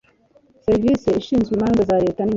serivisi ishinzwe imanza za leta ninziza